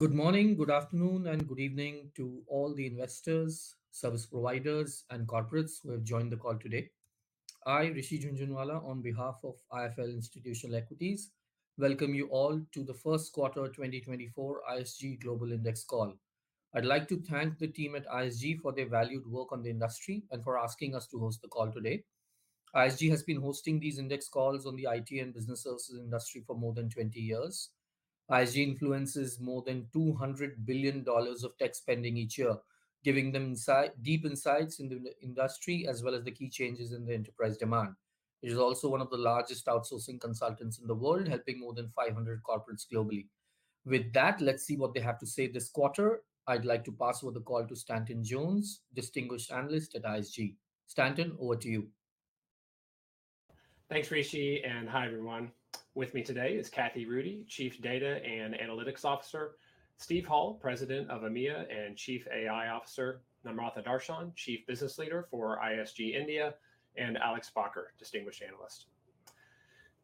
Good morning, good afternoon, and good evening to all the investors, service providers, and corporates who have joined the call today. I, Rishi Jhunjhunwala, on behalf of IIFL Institutional Equities, welcome you all to the first quarter 2024 ISG Global Index Call. I'd like to thank the team at ISG for their valued work on the industry and for asking us to host the call today. ISG has been hosting these index calls on the IT and business services industry for more than 20 years. ISG influences more than $200 billion of tech spending each year, giving them deep insights into the industry, as well as the key changes in the enterprise demand. It is also one of the largest outsourcing consultants in the world, helping more than 500 corporates globally. With that, let's see what they have to say this quarter. I'd like to pass over the call to Stanton Jones, distinguished analyst at ISG. Stanton, over to you. Thanks, Rishi, and hi, everyone. With me today is Kathy Rudy, Chief Data and Analytics Officer, Steve Hall, President of EMEA and Chief AI Officer, Namratha Dharshan, Chief Business Leader for ISG India, and Alex Bakker, Distinguished Analyst.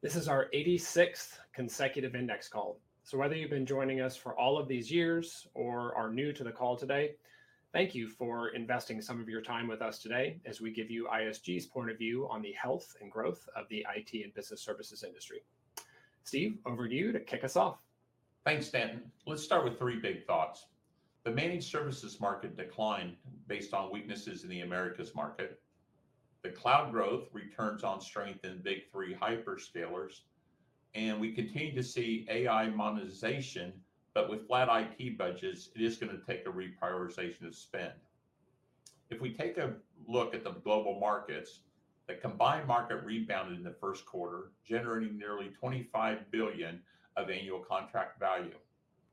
This is our 86th consecutive index call. So whether you've been joining us for all of these years or are new to the call today, thank you for investing some of your time with us today as we give you ISG's point of view on the health and growth of the IT and business services industry. Steve, over to you to kick us off. Thanks, Stanton. Let's start with three big thoughts. The managed services market declined based on weaknesses in the Americas market. The cloud growth returns on strength in big three hyperscalers, and we continue to see AI monetization, but with flat IT budgets, it is gonna take a reprioritization of spend. If we take a look at the global markets, the combined market rebounded in the first quarter, generating nearly $25 billion of annual contract value.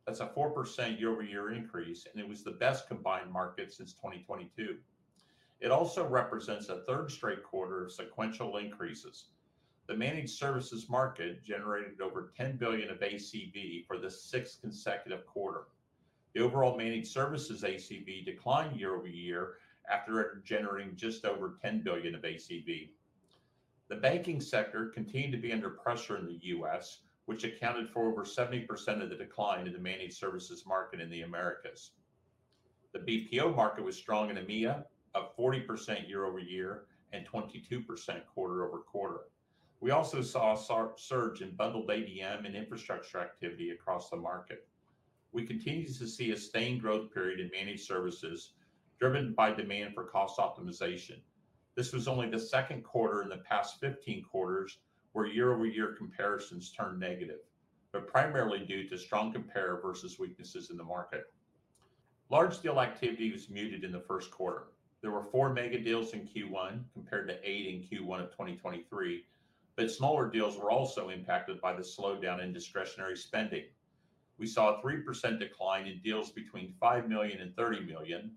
That's a 4% year-over-year increase, and it was the best combined market since 2022. It also represents a third straight quarter of sequential increases. The managed services market generated over $10 billion of ACV for the sixth consecutive quarter. The overall managed services ACV declined year-over-year after generating just over $10 billion of ACV. The banking sector continued to be under pressure in the U.S., which accounted for over 70% of the decline in the managed services market in the Americas. The BPO market was strong in EMEA, up 40% year-over-year and 22% quarter-over-quarter. We also saw a surge in bundled ADM and infrastructure activity across the market. We continue to see a sustained growth period in managed services, driven by demand for cost optimization. This was only the second quarter in the past 15 quarters where year-over-year comparisons turned negative, but primarily due to strong compare versus weaknesses in the market. Large deal activity was muted in the first quarter. There were 4 mega deals in Q1, compared to 8 in Q1 of 2023, but smaller deals were also impacted by the slowdown in discretionary spending. We saw a 3% decline in deals between $5 million-$30 million.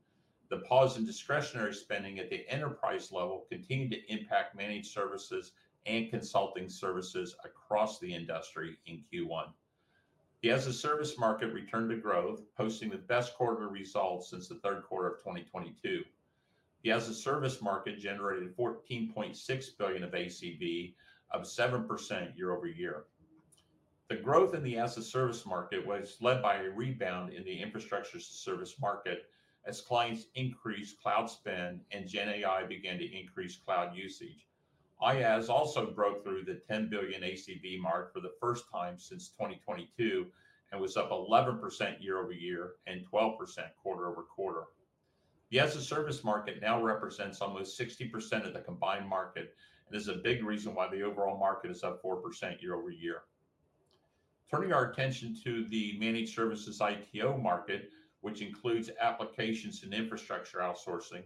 The pause in discretionary spending at the enterprise level continued to impact managed services and consulting services across the industry in Q1. The as-a-service market returned to growth, posting the best quarter results since the third quarter of 2022. The as-a-service market generated $14.6 billion of ACV, up 7% year-over-year. The growth in the as-a-service market was led by a rebound in the infrastructure service market as clients increased cloud spend and GenAI began to increase cloud usage. IaaS also broke through the $10 billion ACV mark for the first time since 2022 and was up 11% year-over-year and 12% quarter-over-quarter. The as-a-service market now represents almost 60% of the combined market, and this is a big reason why the overall market is up 4% year-over-year. Turning our attention to the managed services ITO market, which includes applications and infrastructure outsourcing,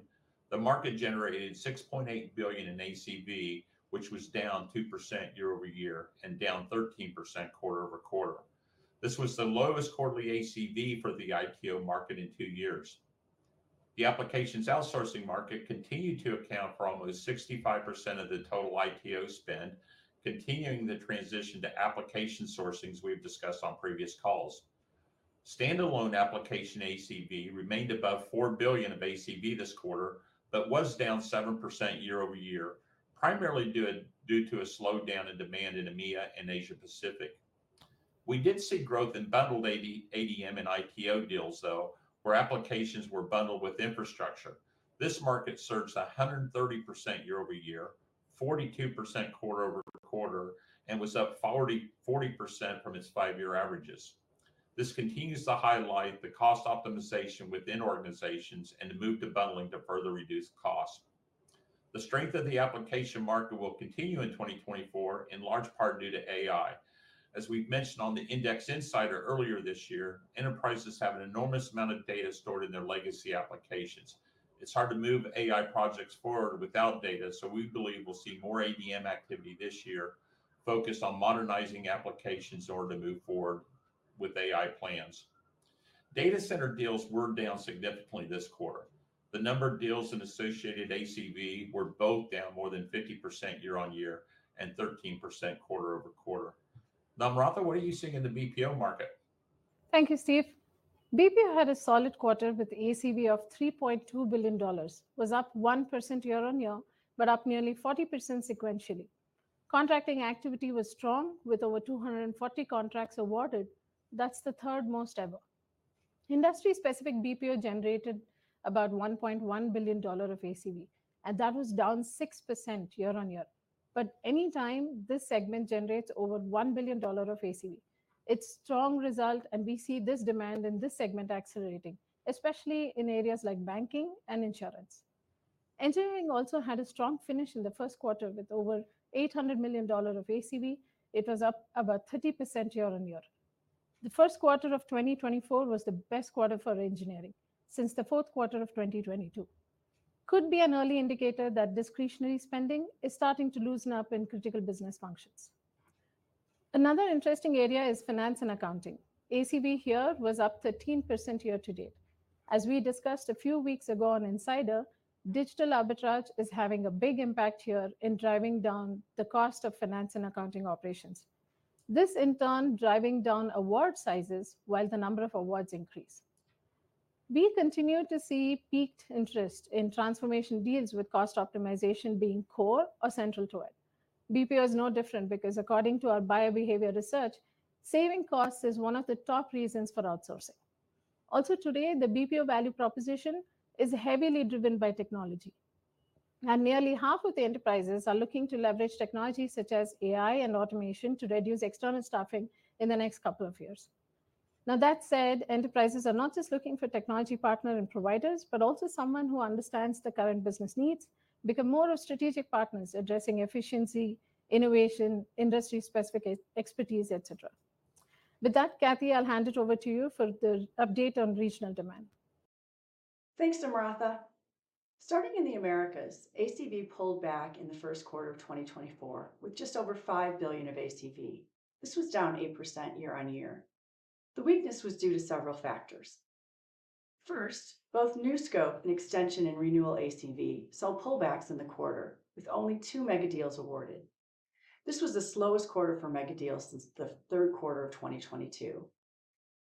the market generated $6.8 billion in ACV, which was down 2% year-over-year and down 13% quarter-over-quarter. This was the lowest quarterly ACV for the ITO market in two years. The applications outsourcing market continued to account for almost 65% of the total ITO spend, continuing the transition to application sourcings we've discussed on previous calls. Standalone application ACV remained above $4 billion of ACV this quarter, but was down 7% year-over-year, primarily due to a slowdown in demand in EMEA and Asia Pacific. We did see growth in bundled AD, ADM, and ITO deals, though, where applications were bundled with infrastructure. This market surged 130% year-over-year, 42% quarter-over-quarter, and was up 40, 40% from its five-year averages. This continues to highlight the cost optimization within organizations and the move to bundling to further reduce costs. The strength of the application market will continue in 2024, in large part due to AI. As we've mentioned on the Index Insider earlier this year, enterprises have an enormous amount of data stored in their legacy applications. It's hard to move AI projects forward without data, so we believe we'll see more ADM activity this year focused on modernizing applications in order to move forward with AI plans. Data center deals were down significantly this quarter. The number of deals and associated ACV were both down more than 50% year-over-year and 13% quarter-over-quarter. Namratha, what are you seeing in the BPO market? Thank you, Steve. BPO had a solid quarter with ACV of $3.2 billion, was up 1% year-on-year, but up nearly 40% sequentially. Contracting activity was strong, with over 240 contracts awarded. That's the third most ever. Industry-specific BPO generated about $1.1 billion of ACV, and that was down 6% year-over-year. But anytime this segment generates over $1 billion of ACV, it's strong result, and we see this demand in this segment accelerating, especially in areas like banking and insurance. Engineering also had a strong finish in the first quarter, with over $800 million of ACV. It was up about 30% year-over-year. The first quarter of 2024 was the best quarter for engineering since the fourth quarter of 2022. Could be an early indicator that discretionary spending is starting to loosen up in critical business functions. Another interesting area is finance and accounting. ACV here was up 13% year-to-date. As we discussed a few weeks ago on Insider, digital arbitrage is having a big impact here in driving down the cost of finance and accounting operations. This, in turn, driving down award sizes, while the number of awards increase. We continue to see piqued interest in transformation deals with cost optimization being core or central to it. BPO is no different because according to our buyer behavior research, saving costs is one of the top reasons for outsourcing. Also, today, the BPO value proposition is heavily driven by technology, and nearly half of the enterprises are looking to leverage technologies such as AI and automation to reduce external staffing in the next couple of years. Now, that said, enterprises are not just looking for technology partner and providers, but also someone who understands the current business needs, become more of strategic partners, addressing efficiency, innovation, industry-specific expertise, et cetera. With that, Kathy, I'll hand it over to you for the update on regional demand. Thanks, Namratha. Starting in the Americas, ACV pulled back in the first quarter of 2024, with just over $5 billion of ACV. This was down 8% year-on-year. The weakness was due to several factors. First, both new scope and extension in renewal ACV saw pullbacks in the quarter, with only two mega deals awarded. This was the slowest quarter for mega deals since the third quarter of 2022.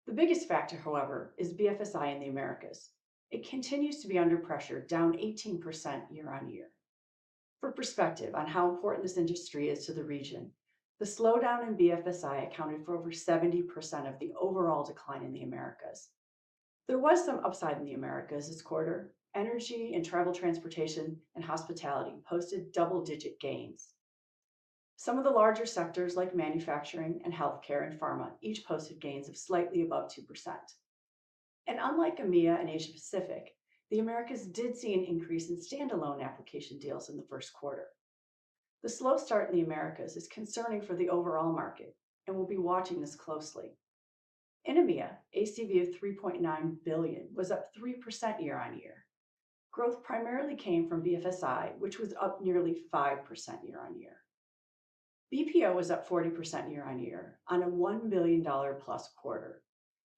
The biggest factor, however, is BFSI in the Americas. It continues to be under pressure, down 18% year-on-year. For perspective on how important this industry is to the region, the slowdown in BFSI accounted for over 70% of the overall decline in the Americas. There was some upside in the Americas this quarter. Energy and travel, transportation, and hospitality posted double-digit gains. Some of the larger sectors, like manufacturing and healthcare and pharma, each posted gains of slightly above 2%. Unlike EMEA and Asia-Pacific, the Americas did see an increase in standalone application deals in the first quarter. The slow start in the Americas is concerning for the overall market, and we'll be watching this closely. In EMEA, ACV of $3.9 billion was up 3% year-on-year. Growth primarily came from BFSI, which was up nearly 5% year-on-year. BPO was up 40% year-on-year on a $1 billion+ quarter,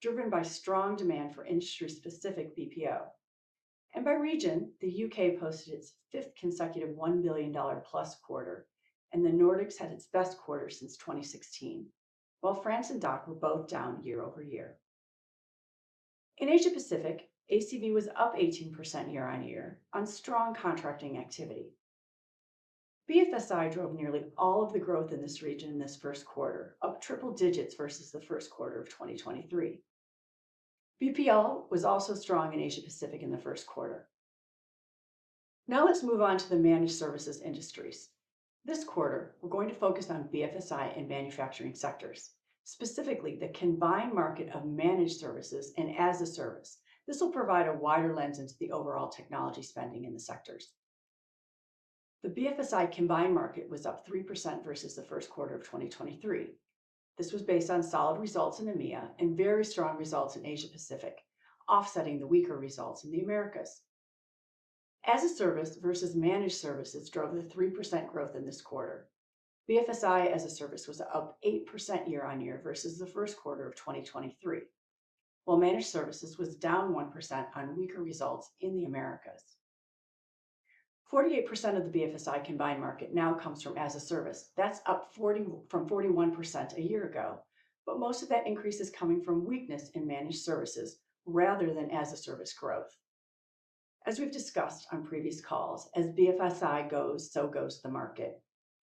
driven by strong demand for industry-specific BPO. By region, the UK posted its fifth consecutive $1 billion+ quarter, and the Nordics had its best quarter since 2016. While France and DACH were both down year-over-year. In Asia-Pacific, ACV was up 18% year-on-year on strong contracting activity. BFSI drove nearly all of the growth in this region in this first quarter, up triple digits versus the first quarter of 2023. BPO was also strong in Asia-Pacific in the first quarter. Now, let's move on to the managed services industries. This quarter, we're going to focus on BFSI and manufacturing sectors, specifically the combined market of managed services and as-a-service. This will provide a wider lens into the overall technology spending in the sectors. The BFSI combined market was up 3% versus the first quarter of 2023. This was based on solid results in EMEA and very strong results in Asia-Pacific, offsetting the weaker results in the Americas. As-a-service versus managed services drove the 3% growth in this quarter. BFSI as-a-service was up 8% year-on-year versus the first quarter of 2023, while managed services was down 1% on weaker results in the Americas. 48% of the BFSI combined market now comes from as-a-service. That's up 7% from 41% a year ago, but most of that increase is coming from weakness in managed services rather than as-a-service growth. As we've discussed on previous calls, as BFSI goes, so goes the market.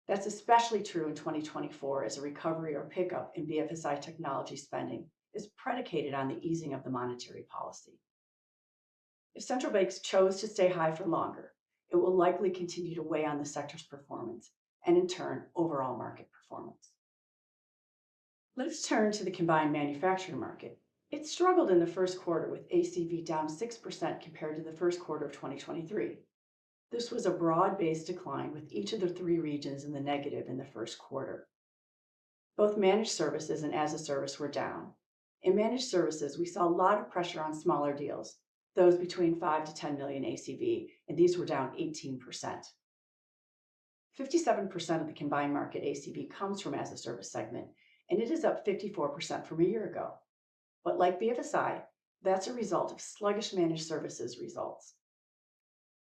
That's especially true in 2024, as a recovery or pickup in BFSI technology spending is predicated on the easing of the monetary policy. If central banks chose to stay high for longer, it will likely continue to weigh on the sector's performance and in turn, overall market performance. Let's turn to the combined manufacturing market. It struggled in the first quarter with ACV down 6% compared to the first quarter of 2023. This was a broad-based decline, with each of the 3 regions in the negative in the first quarter. Both managed services and as-a-service were down. In managed services, we saw a lot of pressure on smaller deals, those between $5 million-$10 million ACV, and these were down 18%. 57% of the combined market ACV comes from as-a-service segment, and it is up 54% from a year ago. But like BFSI, that's a result of sluggish managed services results.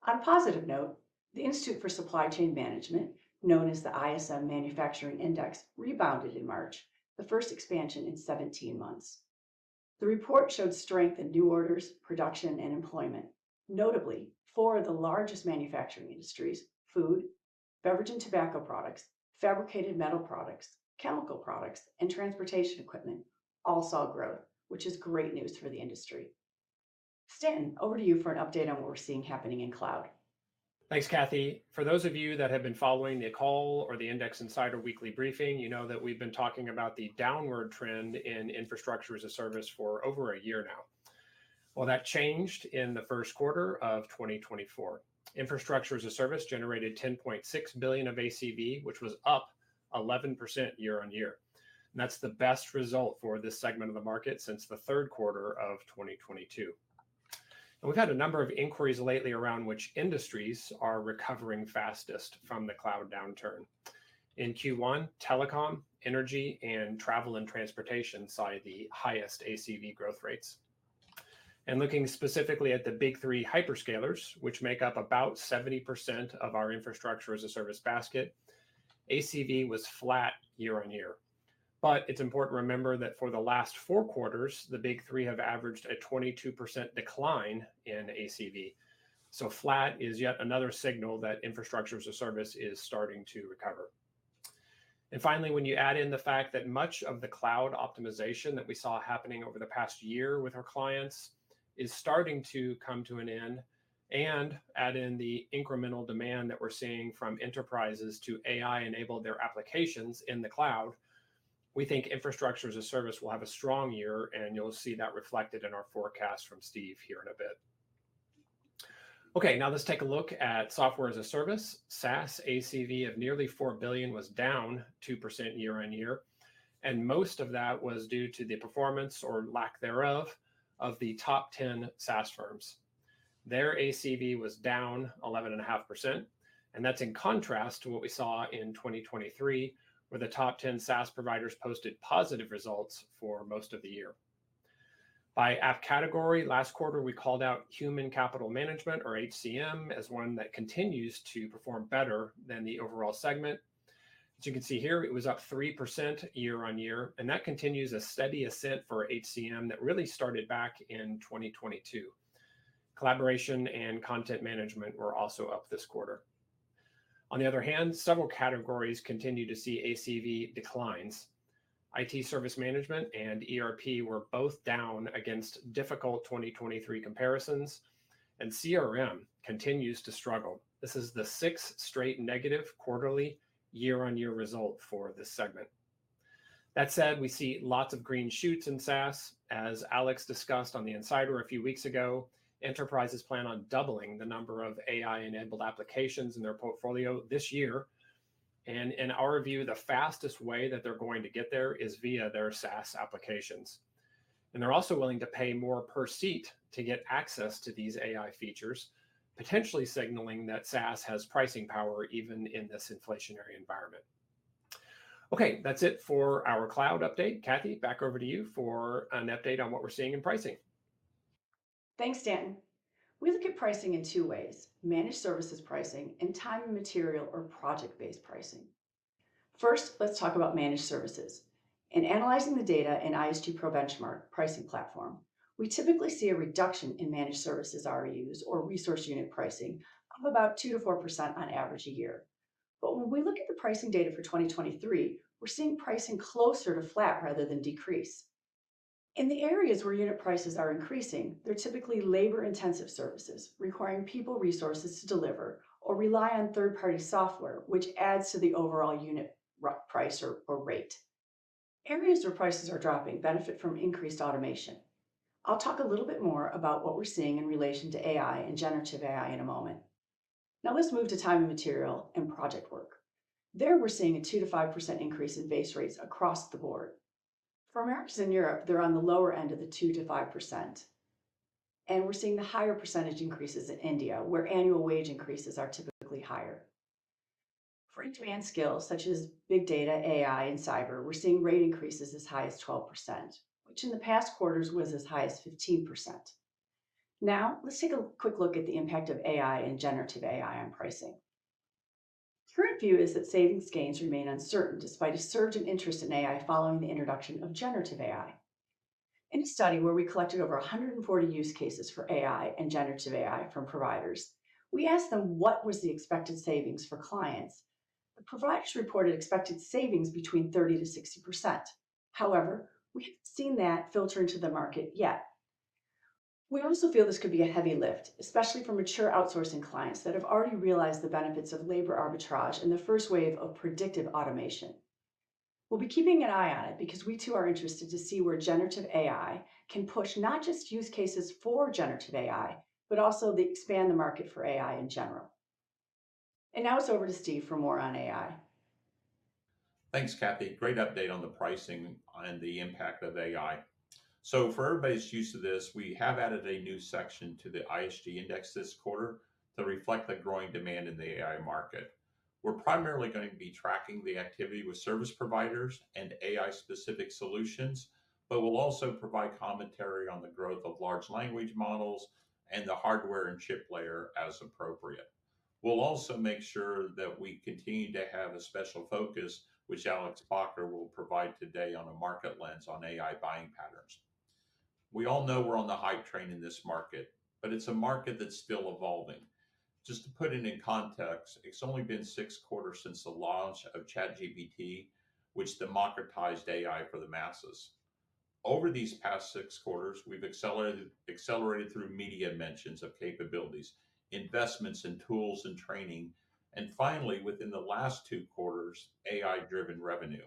On a positive note, the Institute for Supply Chain Management, known as the ISM Manufacturing Index, rebounded in March, the first expansion in 17 months. The report showed strength in new orders, production, and employment. Notably, four of the largest manufacturing industries: food, beverage and tobacco products, fabricated metal products, chemical products, and transportation equipment, all saw growth, which is great news for the industry. Stanton, over to you for an update on what we're seeing happening in cloud. Thanks, Kathy. For those of you that have been following the call or the Index Insider weekly briefing, you know that we've been talking about the downward trend in infrastructure as a service for over a year now. Well, that changed in the first quarter of 2024. Infrastructure as a service generated $10.6 billion of ACV, which was up 11% year-on-year. That's the best result for this segment of the market since the third quarter of 2022. And we've had a number of inquiries lately around which industries are recovering fastest from the cloud downturn. In Q1, telecom, energy, and travel and transportation saw the highest ACV growth rates. And looking specifically at the big three hyperscalers, which make up about 70% of our infrastructure as a service basket, ACV was flat year-on-year. But it's important to remember that for the last four quarters, the big three have averaged a 22% decline in ACV. So flat is yet another signal that infrastructure as a service is starting to recover. And finally, when you add in the fact that much of the cloud optimization that we saw happening over the past year with our clients is starting to come to an end, and add in the incremental demand that we're seeing from enterprises to AI-enable their applications in the cloud, we think infrastructure as a service will have a strong year, and you'll see that reflected in our forecast from Steve here in a bit. Okay, now let's take a look at software as a service. SaaS ACV of nearly $4 billion was down 2% year-on-year, and most of that was due to the performance, or lack thereof, of the top 10 SaaS firms. Their ACV was down 11.5%, and that's in contrast to what we saw in 2023, where the top 10 SaaS providers posted positive results for most of the year. By app category, last quarter, we called out human capital management, or HCM, as one that continues to perform better than the overall segment. As you can see here, it was up 3% year-on-year, and that continues a steady ascent for HCM that really started back in 2022. Collaboration and content management were also up this quarter. On the other hand, several categories continue to see ACV declines. IT service management and ERP were both down against difficult 2023 comparisons, and CRM continues to struggle. This is the sixth straight negative quarterly year-on-year result for this segment. That said, we see lots of green shoots in SaaS. As Alex discussed on the Insider a few weeks ago, enterprises plan on doubling the number of AI-enabled applications in their portfolio this year. In our view, the fastest way that they're going to get there is via their SaaS applications. They're also willing to pay more per seat to get access to these AI features, potentially signaling that SaaS has pricing power even in this inflationary environment. Okay, that's it for our cloud update. Kathy, back over to you for an update on what we're seeing in pricing. Thanks, Stanton. We look at pricing in two ways: managed services pricing and time and material, or project-based pricing. First, let's talk about managed services. In analyzing the data in ISG ProBenchmark pricing platform, we typically see a reduction in managed services REUs, or resource unit pricing, of about 2%-4% on average a year. But when we look at the pricing data for 2023, we're seeing pricing closer to flat rather than decrease. In the areas where unit prices are increasing, they're typically labor-intensive services, requiring people resources to deliver or rely on third-party software, which adds to the overall unit price or rate. Areas where prices are dropping benefit from increased automation. I'll talk a little bit more about what we're seeing in relation to AI and generative AI in a moment. Now let's move to time and material and project work. There, we're seeing a 2%-5% increase in base rates across the board. For Americas and Europe, they're on the lower end of the 2%-5%, and we're seeing the higher percentage increases in India, where annual wage increases are typically higher. For in-demand skills such as big data, AI, and cyber, we're seeing rate increases as high as 12%, which in the past quarters was as high as 15%. Now, let's take a quick look at the impact of AI and generative AI on pricing. Current view is that savings gains remain uncertain despite a surge in interest in AI following the introduction of generative AI. In a study where we collected over 140 use cases for AI and generative AI from providers, we asked them what was the expected savings for clients. The providers reported expected savings between 30%-60%. However, we haven't seen that filter into the market yet. We also feel this could be a heavy lift, especially for mature outsourcing clients that have already realized the benefits of labor arbitrage in the first wave of predictive automation. We'll be keeping an eye on it because we, too, are interested to see where generative AI can push, not just use cases for generative AI, but also the expand the market for AI in general. Now it's over to Steve for more on AI. Thanks, Kathy. Great update on the pricing and the impact of AI. So for everybody's use of this, we have added a new section to the ISG Index this quarter to reflect the growing demand in the AI market. We're primarily going to be tracking the activity with service providers and AI-specific solutions, but we'll also provide commentary on the growth of large language models and the hardware and chip layer as appropriate. We'll also make sure that we continue to have a special focus, which Alex Bakker will provide today on a market lens on AI buying patterns. We all know we're on the hype train in this market, but it's a market that's still evolving. Just to put it in context, it's only been six quarters since the launch of ChatGPT, which democratized AI for the masses. Over these past 6 quarters, we've accelerated, accelerated through media mentions of capabilities, investments in tools and training, and finally, within the last 2 quarters, AI-driven revenue.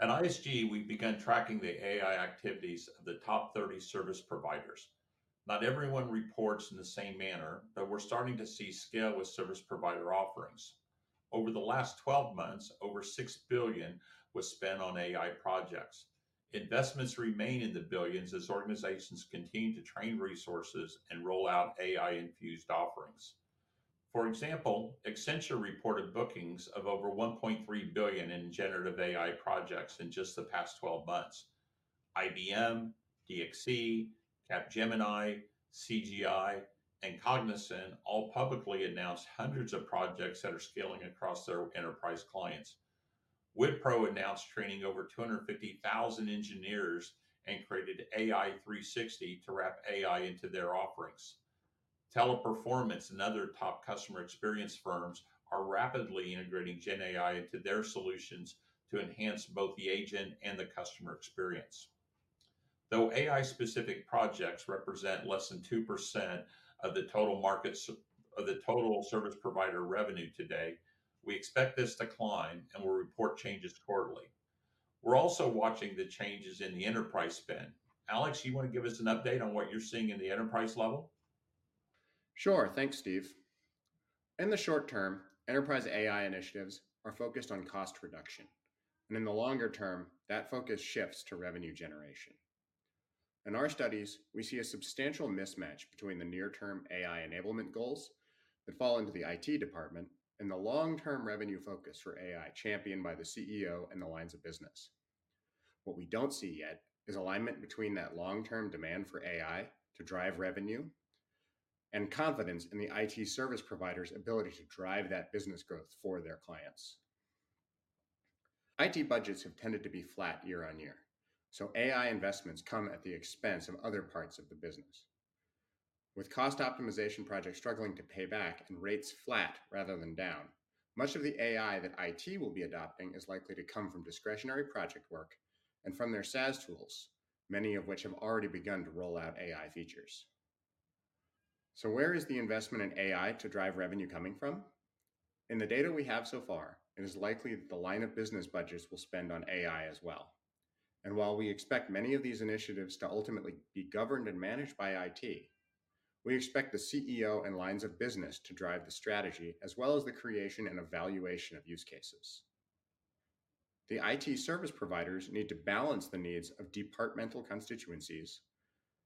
At ISG, we've begun tracking the AI activities of the top 30 service providers. Not everyone reports in the same manner, but we're starting to see scale with service provider offerings. Over the last 12 months, over $6 billion was spent on AI projects. Investments remain in the billions as organizations continue to train resources and roll out AI-infused offerings. For example, Accenture reported bookings of over $1.3 billion in generative AI projects in just the past 12 months. IBM, DXC, Capgemini, CGI, and Cognizant all publicly announced hundreds of projects that are scaling across their enterprise clients. Wipro announced training over 250,000 engineers and created ai360 to wrap AI into their offerings. Teleperformance and other top customer experience firms are rapidly integrating GenAI into their solutions to enhance both the agent and the customer experience. Though AI-specific projects represent less than 2% of the total market, of the total service provider revenue today, we expect this to climb, and we'll report changes quarterly. We're also watching the changes in the enterprise spend. Alex, you want to give us an update on what you're seeing in the enterprise level? Sure. Thanks, Steve. In the short term, enterprise AI initiatives are focused on cost reduction, and in the longer term, that focus shifts to revenue generation. In our studies, we see a substantial mismatch between the near-term AI enablement goals that fall into the IT department and the long-term revenue focus for AI, championed by the CEO and the lines of business. What we don't see yet is alignment between that long-term demand for AI to drive revenue and confidence in the IT service provider's ability to drive that business growth for their clients. IT budgets have tended to be flat year on year, so AI investments come at the expense of other parts of the business. With cost optimization projects struggling to pay back and rates flat rather than down, much of the AI that IT will be adopting is likely to come from discretionary project work and from their SaaS tools, many of which have already begun to roll out AI features. So where is the investment in AI to drive revenue coming from? In the data we have so far, it is likely that the line of business budgets will spend on AI as well. And while we expect many of these initiatives to ultimately be governed and managed by IT, we expect the CEO and lines of business to drive the strategy, as well as the creation and evaluation of use cases. The IT service providers need to balance the needs of departmental constituencies,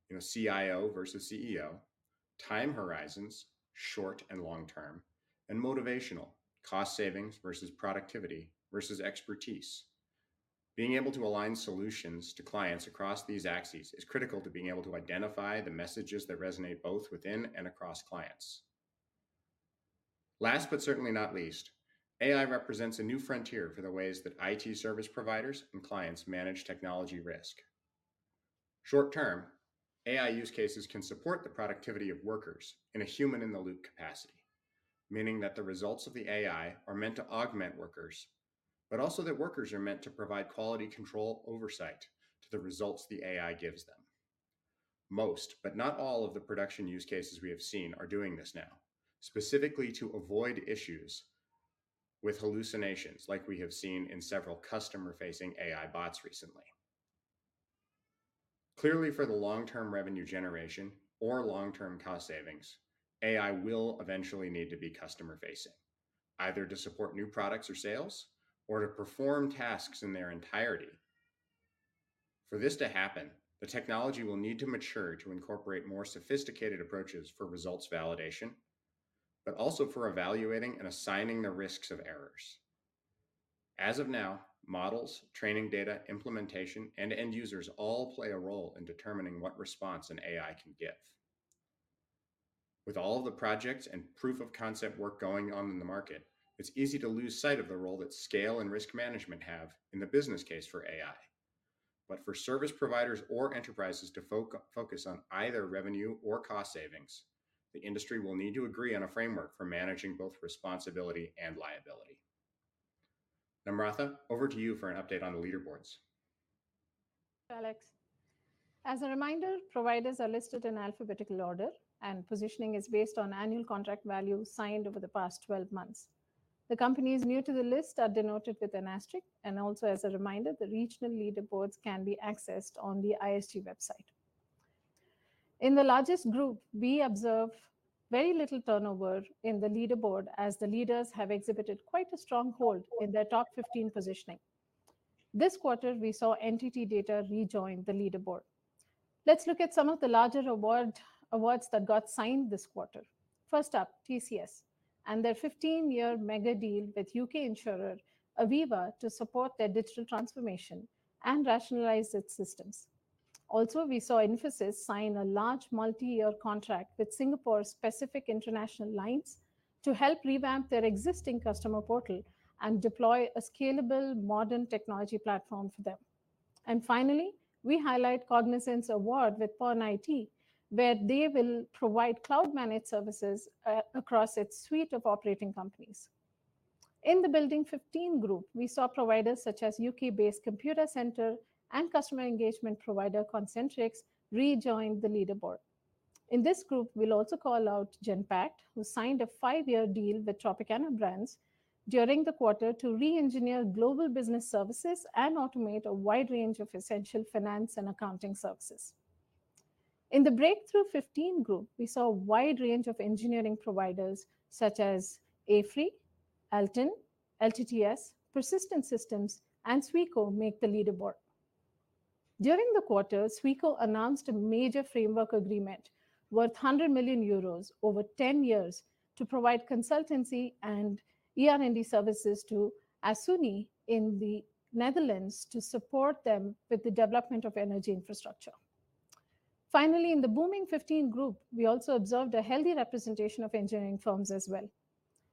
you know, CIO versus CEO, time horizons, short and long term, and motivational, cost savings versus productivity versus expertise. Being able to align solutions to clients across these axes is critical to being able to identify the messages that resonate both within and across clients. Last, but certainly not least, AI represents a new frontier for the ways that IT service providers and clients manage technology risk. Short term, AI use cases can support the productivity of workers in a human-in-the-loop capacity, meaning that the results of the AI are meant to augment workers, but also that workers are meant to provide quality control oversight to the results the AI gives them. Most, but not all, of the production use cases we have seen are doing this now, specifically to avoid issues with hallucinations, like we have seen in several customer-facing AI bots recently. Clearly, for the long-term revenue generation or long-term cost savings, AI will eventually need to be customer-facing, either to support new products or sales, or to perform tasks in their entirety. For this to happen, the technology will need to mature to incorporate more sophisticated approaches for results validation, but also for evaluating and assigning the risks of errors. As of now, models, training, data implementation, and end users all play a role in determining what response an AI can give. With all of the projects and proof-of-concept work going on in the market, it's easy to lose sight of the role that scale and risk management have in the business case for AI. But for service providers or enterprises to focus on either revenue or cost savings, the industry will need to agree on a framework for managing both responsibility and liability. Dharshan, over to you for an update on the leaderboards. Alex. As a reminder, providers are listed in alphabetical order, and positioning is based on annual contract value signed over the past 12 months. The companies new to the list are denoted with an asterisk, and also as a reminder, the regional leaderboards can be accessed on the ISG website. In the largest group, we observe very little turnover in the leaderboard, as the leaders have exhibited quite a strong hold in their top 15 positioning. This quarter, we saw NTT DATA rejoin the leaderboard. Let's look at some of the larger award, awards that got signed this quarter. First up, TCS and their 15-year mega deal with U.K. insurer Aviva to support their digital transformation and rationalize its systems. Also, we saw Infosys sign a large multi-year contract with Singapore Pacific International Lines to help revamp their existing customer portal and deploy a scalable modern technology platform for them. Finally, we highlight Cognizant's award with Pon IT, where they will provide cloud-managed services across its suite of operating companies. In the Building 15 group, we saw providers such as U.K.-based Computacenter and customer engagement provider, Concentrix, rejoin the leaderboard. In this group, we'll also call out Genpact, who signed a five-year deal with Tropicana Brands during the quarter to re-engineer global business services and automate a wide range of essential finance and accounting services. In the Breakthrough 15 group, we saw a wide range of engineering providers such as AFRY, Alten, LTTS, Persistent Systems, and Sweco make the leaderboard. During the quarter, Sweco announced a major framework agreement worth 100 million euros over 10 years to provide consultancy and ER&D services to Gasunie in the Netherlands to support them with the development of energy infrastructure. Finally, in the Booming 15 group, we also observed a healthy representation of engineering firms as well.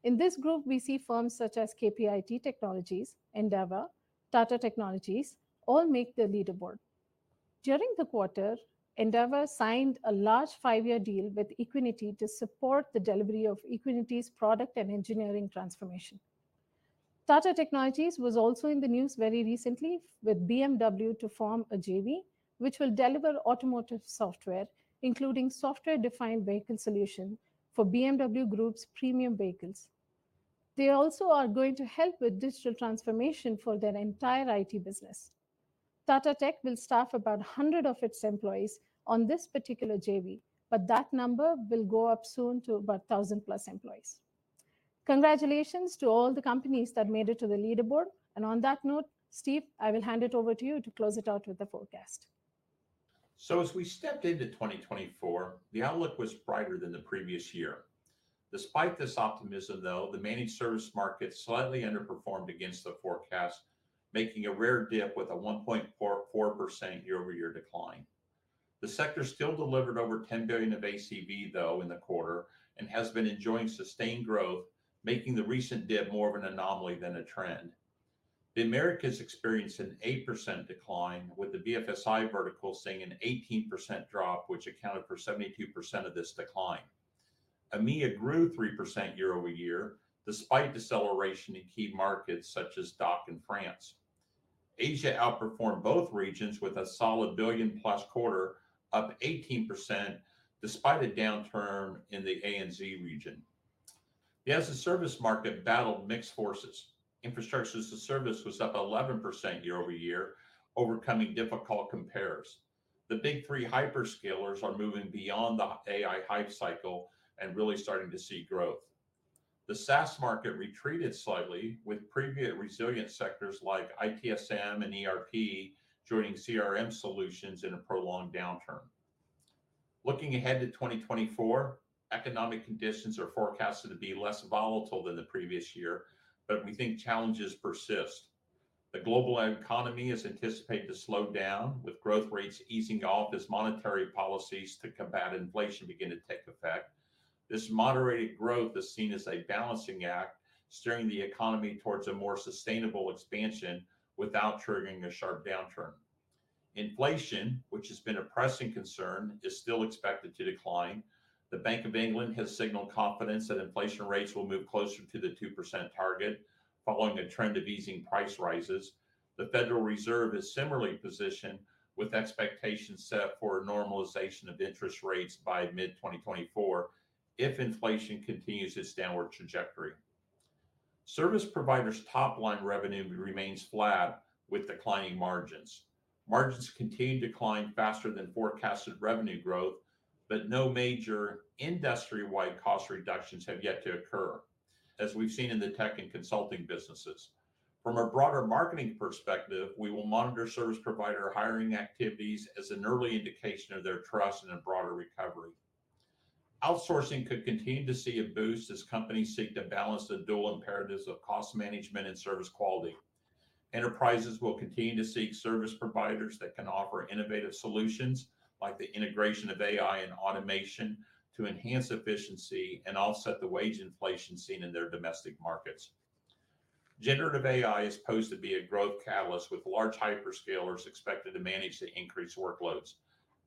In this group, we see firms such as KPIT Technologies, Endava, Tata Technologies, all make the leaderboard. During the quarter, Endava signed a large five-year deal with Equiniti to support the delivery of Equiniti's product and engineering transformation. Tata Technologies was also in the news very recently with BMW to form a JV, which will deliver automotive software, including software-defined vehicle solution for BMW Group's premium vehicles. They also are going to help with digital transformation for their entire IT business. Tata Tech will staff about 100 of its employees on this particular JV, but that number will go up soon to about 1,000+ employees. Congratulations to all the companies that made it to the leaderboard. On that note, Steve, I will hand it over to you to close it out with the forecast. So as we stepped into 2024, the outlook was brighter than the previous year. Despite this optimism, though, the managed service market slightly underperformed against the forecast, making a rare dip with a 1.44% year-over-year decline. The sector still delivered over $10 billion of ACV, though, in the quarter and has been enjoying sustained growth, making the recent dip more of an anomaly than a trend. The Americas experienced an 8% decline, with the BFSI vertical seeing an 18% drop, which accounted for 72% of this decline. EMEA grew 3% year-over-year, despite deceleration in key markets such as DACH in France. Asia outperformed both regions with a solid $1 billion-plus quarter, up 18%, despite a downturn in the ANZ region. The as-a-service market battled mixed forces. Infrastructure as a Service was up 11% year-over-year, overcoming difficult compares. The big three hyperscalers are moving beyond the AI hype cycle and really starting to see growth. The SaaS market retreated slightly, with previous resilient sectors like ITSM and ERP joining CRM solutions in a prolonged downturn. Looking ahead to 2024, economic conditions are forecasted to be less volatile than the previous year, but we think challenges persist. The global economy is anticipated to slow down, with growth rates easing off as monetary policies to combat inflation begin to take effect. This moderated growth is seen as a balancing act, steering the economy towards a more sustainable expansion without triggering a sharp downturn. Inflation, which has been a pressing concern, is still expected to decline. The Bank of England has signaled confidence that inflation rates will move closer to the 2% target, following a trend of easing price rises. The Federal Reserve is similarly positioned, with expectations set for a normalization of interest rates by mid-2024 if inflation continues its downward trajectory. Service providers' top-line revenue remains flat with declining margins. Margins continue to decline faster than forecasted revenue growth, but no major industry-wide cost reductions have yet to occur, as we've seen in the tech and consulting businesses. From a broader marketing perspective, we will monitor service provider hiring activities as an early indication of their trust in a broader recovery. Outsourcing could continue to see a boost as companies seek to balance the dual imperatives of cost management and service quality. Enterprises will continue to seek service providers that can offer innovative solutions, like the integration of AI and automation, to enhance efficiency and offset the wage inflation seen in their domestic markets. Generative AI is poised to be a growth catalyst, with large hyperscalers expected to manage the increased workloads.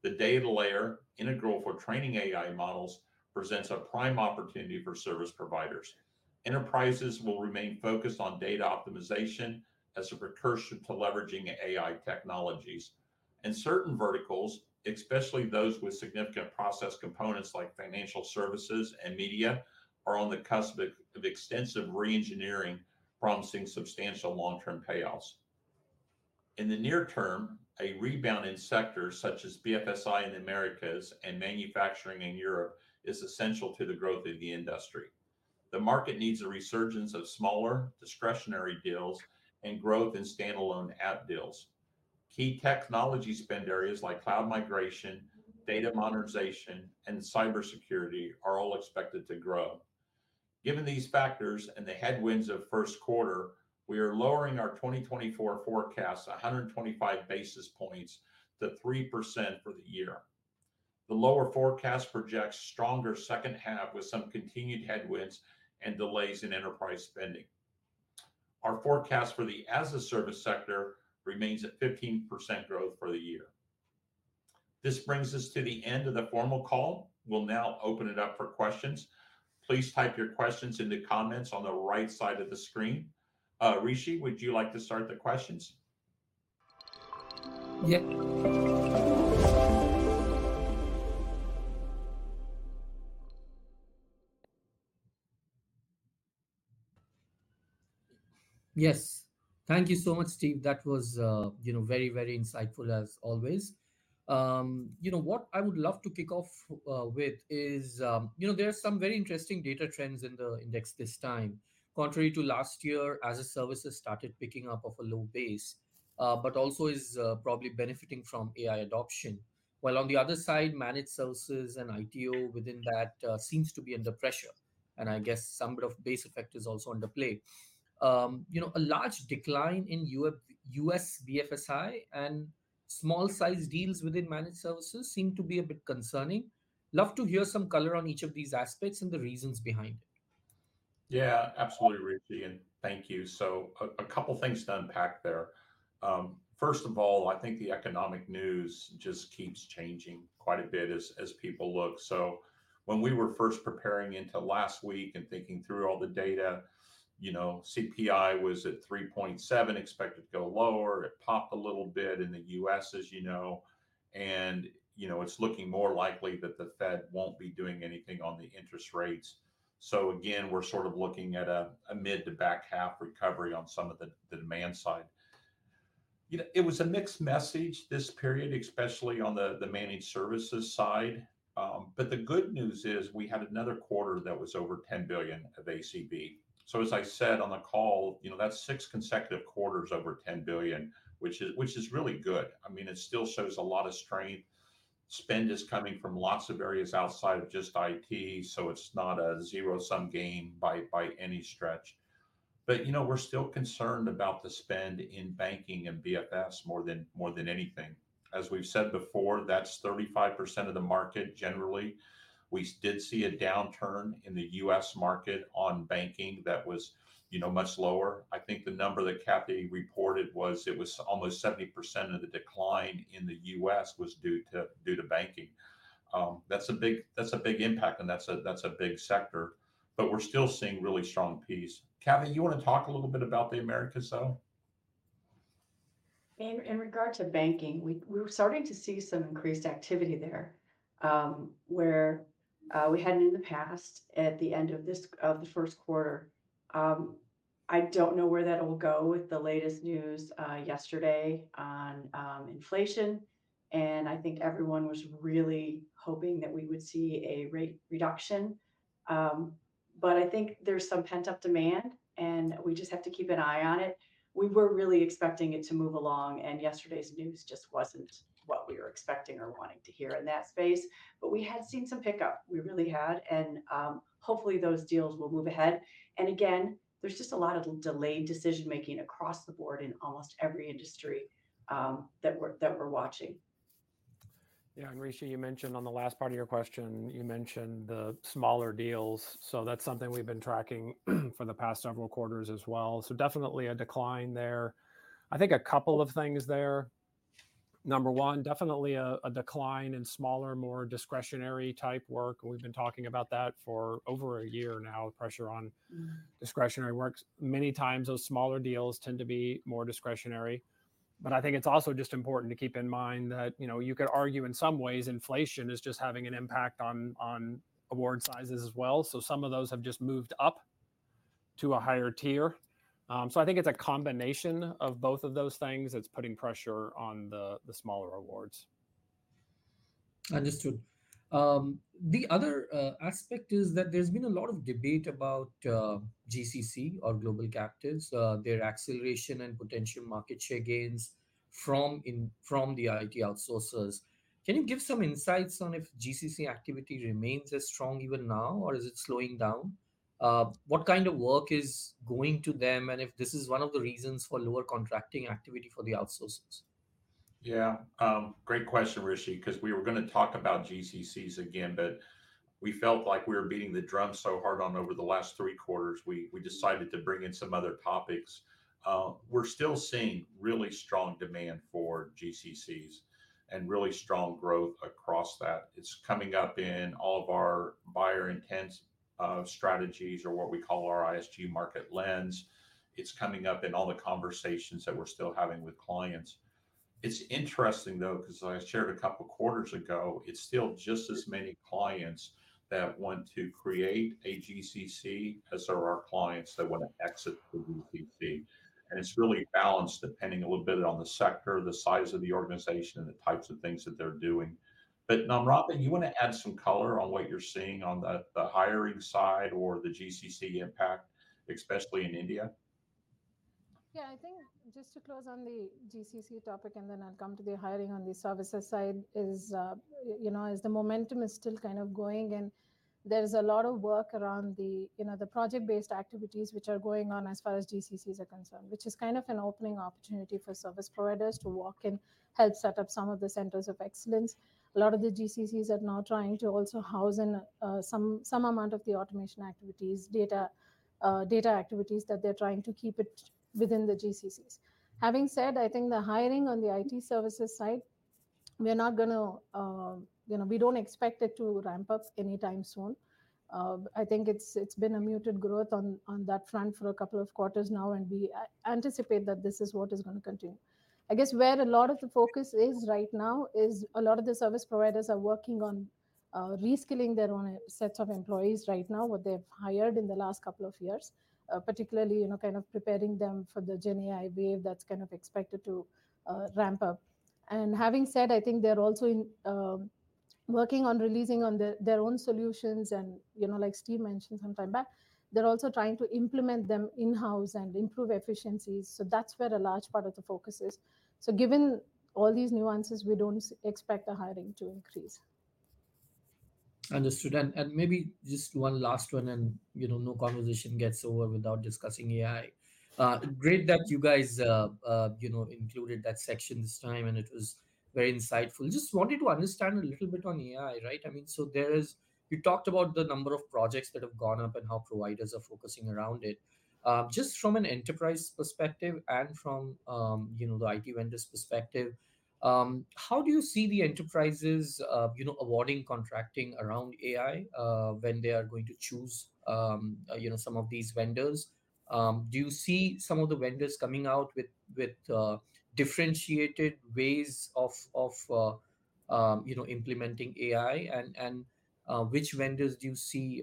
The data layer, integral for training AI models, presents a prime opportunity for service providers. Enterprises will remain focused on data optimization as a precursor to leveraging AI technologies. In certain verticals, especially those with significant process components like financial services and media, are on the cusp of extensive reengineering, promising substantial long-term payoffs. In the near term, a rebound in sectors such as BFSI in Americas and manufacturing in Europe is essential to the growth of the industry. The market needs a resurgence of smaller discretionary deals and growth in standalone app deals. Key technology spend areas like cloud migration, data modernization, and cybersecurity are all expected to grow. Given these factors and the headwinds of first quarter, we are lowering our 2024 forecast 125 basis points to 3% for the year. The lower forecast projects stronger second half, with some continued headwinds and delays in enterprise spending. Our forecast for the as-a-service sector remains at 15% growth for the year. This brings us to the end of the formal call. We'll now open it up for questions. Please type your questions into comments on the right side of the screen. Rishi, would you like to start the questions? Yes, thank you so much, Steve. That was, you know, very, very insightful as always. You know, what I would love to kick off with is, you know, there are some very interesting data trends in the index this time. Contrary to last year, as-a-service has started picking up off a low base, but also is probably benefiting from AI adoption. While on the other side, managed services and ITO within that seems to be under pressure, and I guess some of base effect is also under play. You know, a large decline in US BFSI, and small-size deals within managed services seem to be a bit concerning. Love to hear some color on each of these aspects and the reasons behind it. Yeah, absolutely, Rishi, and thank you. So a couple things to unpack there. First of all, I think the economic news just keeps changing quite a bit as people look. So when we were first preparing into last week and thinking through all the data, you know, CPI was at 3.7, expected to go lower. It popped a little bit in the U.S., as you know, and, you know, it's looking more likely that the Fed won't be doing anything on the interest rates. So again, we're sort of looking at a mid to back half recovery on some of the demand side. You know, it was a mixed message this period, especially on the managed services side. But the good news is, we had another quarter that was over $10 billion of ACV. So as I said on the call, you know, that's six consecutive quarters over $10 billion, which is really good. I mean, it still shows a lot of strength. Spend is coming from lots of areas outside of just IT, so it's not a zero-sum game by, by any stretch. But, you know, we're still concerned about the spend in banking and BFS more than anything. As we've said before, that's 35% of the market generally. We did see a downturn in the U.S. market on banking that was, you know, much lower. I think the number that Kathy reported was it was almost 70% of the decline in the U.S. was due to banking. That's a big impact, and that's a big sector, but we're still seeing really strong piece. Kathy, you wanna talk a little bit about the Americas side? In regard to banking, we're starting to see some increased activity there, where we hadn't in the past, at the end of this of the first quarter. I don't know where that'll go with the latest news yesterday on inflation, and I think everyone was really hoping that we would see a rate reduction. But I think there's some pent-up demand, and we just have to keep an eye on it. We were really expecting it to move along, and yesterday's news just wasn't what we were expecting or wanting to hear in that space. But we had seen some pickup. We really had, and hopefully those deals will move ahead. And again, there's just a lot of delayed decision-making across the board in almost every industry that we're watching. Yeah, and Rishi, you mentioned on the last part of your question, you mentioned the smaller deals, so that's something we've been tracking, for the past several quarters as well. So definitely a decline there. I think a couple of things there. Number one, definitely a decline in smaller, more discretionary type work. We've been talking about that for over a year now, the pressure on discretionary works. Many times those smaller deals tend to be more discretionary. But I think it's also just important to keep in mind that, you know, you could argue in some ways, inflation is just having an impact on award sizes as well. So some of those have just moved up to a higher tier. So I think it's a combination of both of those things that's putting pressure on the smaller awards. Understood. The other aspect is that there's been a lot of debate about GCC or global captives, their acceleration, and potential market share gains from the IT outsourcers. Can you give some insights on if GCC activity remains as strong even now, or is it slowing down? What kind of work is going to them, and if this is one of the reasons for lower contracting activity for the outsourcers? Yeah, great question, Rishi, 'cause we were gonna talk about GCCs again, but we felt like we were beating the drum so hard on them over the last three quarters, we decided to bring in some other topics. We're still seeing really strong demand for GCCs and really strong growth across that. It's coming up in all of our buyer intent strategies, or what we call our ISG Market Lens. It's coming up in all the conversations that we're still having with clients. It's interesting, though, 'cause I shared a couple quarters ago, it's still just as many clients that want to create a GCC, as there are clients that want to exit the GCC. And it's really balanced, depending a little bit on the sector, the size of the organization, and the types of things that they're doing. Namratha, you wanna add some color on what you're seeing on the hiring side or the GCC impact, especially in India? Just to close on the GCC topic, and then I'll come to the hiring on the services side, is, you know, as the momentum is still kind of going, and there is a lot of work around the, you know, the project-based activities which are going on as far as GCCs are concerned, which is kind of an opening opportunity for service providers to walk in, help set up some of the centers of excellence. A lot of the GCCs are now trying to also house in, some amount of the automation activities, data, data activities that they're trying to keep it within the GCCs. Having said, I think the hiring on the IT services side, we are not gonna, you know, we don't expect it to ramp up anytime soon. I think it's been a muted growth on that front for a couple of quarters now, and we anticipate that this is what is gonna continue. I guess, where a lot of the focus is right now is a lot of the service providers are working on reskilling their own sets of employees right now, what they've hired in the last couple of years, particularly, you know, kind of preparing them for the GenAI wave that's kind of expected to ramp up. And having said, I think they're also in working on releasing their own solutions, and, you know, like Steve mentioned sometime back, they're also trying to implement them in-house and improve efficiencies. So that's where a large part of the focus is. So given all these nuances, we don't expect the hiring to increase. Understood. Maybe just one last one, you know, no conversation gets over without discussing AI. Great that you guys, you know, included that section this time, and it was very insightful. Just wanted to understand a little bit on AI, right? I mean, so there is—you talked about the number of projects that have gone up and how providers are focusing around it. Just from an enterprise perspective and from, you know, the IT vendor's perspective, how do you see the enterprises, you know, awarding contracting around AI, when they are going to choose, you know, some of these vendors? Do you see some of the vendors coming out with differentiated ways of implementing AI, and which vendors do you see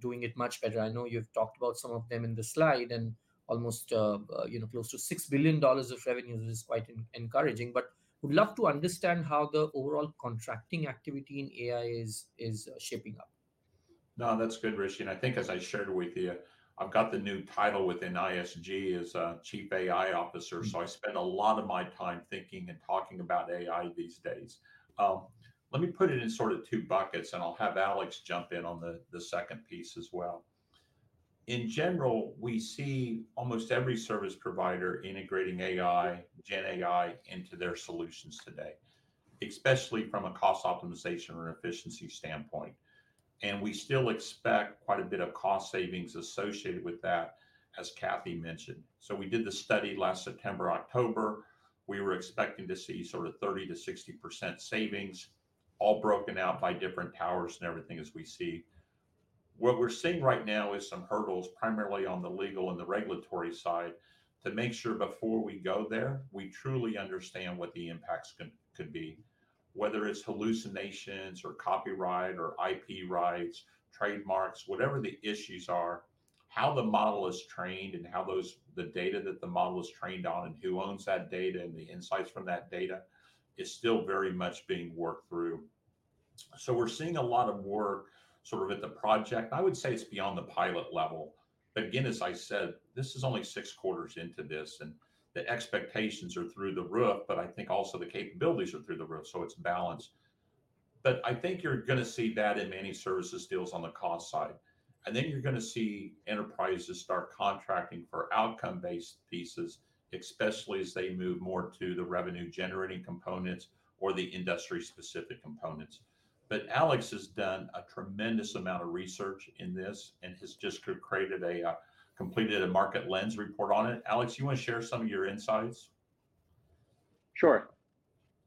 doing it much better? I know you've talked about some of them in the slide, and almost, you know, close to $6 billion of revenue, which is quite encouraging. But would love to understand how the overall contracting activity in AI is shaping up. No, that's good, Rishi. I think as I shared with you, I've got the new title within ISG as Chief AI Officer, so I spend a lot of my time thinking and talking about AI these days. Let me put it in sort of two buckets, and I'll have Alex jump in on the second piece as well. In general, we see almost every service provider integrating AI, Gen AI, into their solutions today, especially from a cost optimization or efficiency standpoint, and we still expect quite a bit of cost savings associated with that, as Kathy mentioned. So we did the study last September, October. We were expecting to see sort of 30%-60% savings, all broken out by different towers and everything, as we see. What we're seeing right now is some hurdles, primarily on the legal and the regulatory side, to make sure before we go there, we truly understand what the impacts can, could be, whether it's hallucinations or copyright or IP rights, trademarks, whatever the issues are, how the model is trained and how those. the data that the model is trained on, and who owns that data, and the insights from that data is still very much being worked through. So we're seeing a lot of work sort of at the project. I would say it's beyond the pilot level. But again, as I said, this is only six quarters into this, and the expectations are through the roof, but I think also the capabilities are through the roof, so it's balanced. But I think you're gonna see that in many services deals on the cost side, and then you're gonna see enterprises start contracting for outcome-based pieces, especially as they move more to the revenue-generating components or the industry-specific components. But Alex has done a tremendous amount of research in this and has just completed a Market Lens report on it. Alex, you wanna share some of your insights? Sure.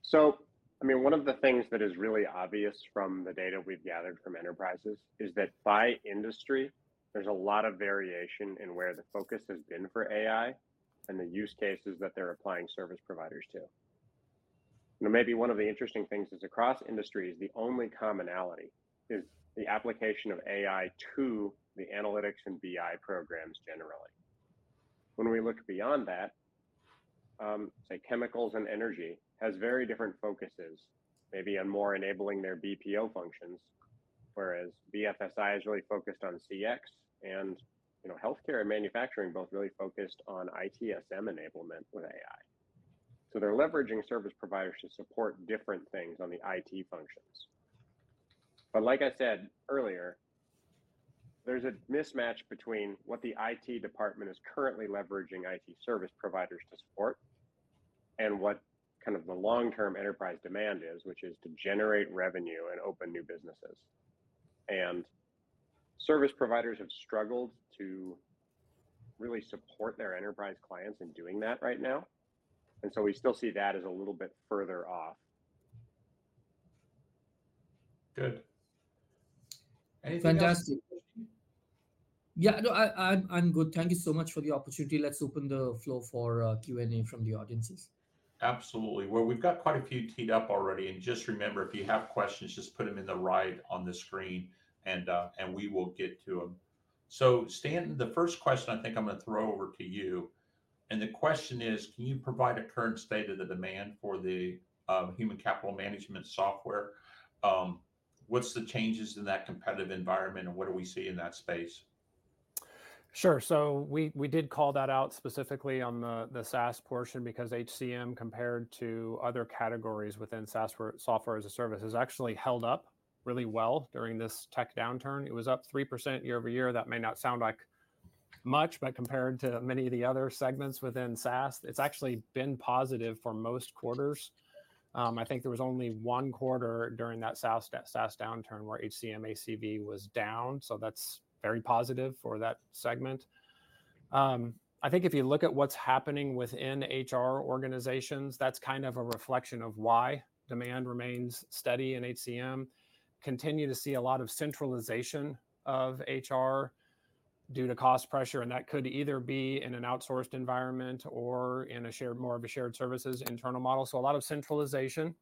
So, I mean, one of the things that is really obvious from the data we've gathered from enterprises is that by industry, there's a lot of variation in where the focus has been for AI and the use cases that they're applying service providers to. You know, maybe one of the interesting things is across industries, the only commonality is the application of AI to the analytics and BI programs generally. When we look beyond that, say, chemicals and energy has very different focuses, maybe on more enabling their BPO functions, whereas BFSI is really focused on CX, and, you know, healthcare and manufacturing both really focused on ITSM enablement with AI. So they're leveraging service providers to support different things on the IT functions. But like I said earlier, there's a mismatch between what the IT department is currently leveraging IT service providers to support and what kind of the long-term enterprise demand is, which is to generate revenue and open new businesses. And service providers have struggled to really support their enterprise clients in doing that right now, and so we still see that as a little bit further off. Good. Anything else, Rishi? Fantastic. Yeah, no, I'm good. Thank you so much for the opportunity. Let's open the floor for Q&A from the audiences. Absolutely. Well, we've got quite a few teed up already, and just remember, if you have questions, just put them in the right on the screen, and we will get to them. So Stan, the first question I think I'm gonna throw over to you, and the question is: Can you provide a current state of the demand for the human capital management software? What's the changes in that competitive environment, and what do we see in that space? Sure. So we did call that out specifically on the SaaS portion, because HCM, compared to other categories within SaaS, where software as a service, has actually held up really well during this tech downturn. It was up 3% year-over-year. That may not sound like much, but compared to many of the other segments within SaaS, it's actually been positive for most quarters. I think there was only one quarter during that SaaS downturn where HCM ACV was down, so that's very positive for that segment. I think if you look at what's happening within HR organizations, that's kind of a reflection of why demand remains steady in HCM. Continue to see a lot of centralization of HR due to cost pressure, and that could either be in an outsourced environment or in a shared, more of a shared services internal model. So a lot of centralization,